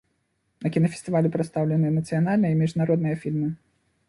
На кінафестывалі прадстаўлены нацыянальныя і міжнародныя фільмы.